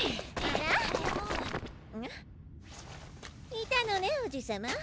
いたのねおじさま。